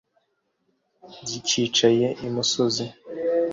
zicyicaye imusozi